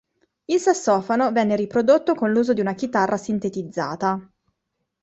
Il sassofono venne riprodotto con l'uso di una chitarra sintetizzata.